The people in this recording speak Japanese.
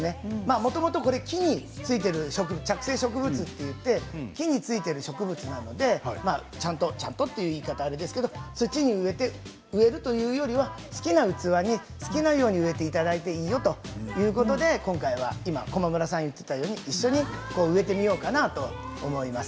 もともと木についている着生植物といって木についている植物なので土に植えるというよりは好きな器に好きなように入れていただいていいよということで今回は駒村さんが言っていたように一緒に植えてみようかなと思います。